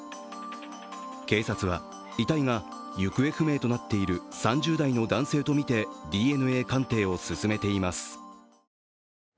警察は、遺体が行方不明となっている３０代の男性とみてＤＮＡ鑑定を進めています。